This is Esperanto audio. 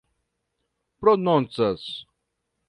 prononcas